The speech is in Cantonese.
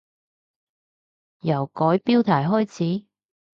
由改標題開始？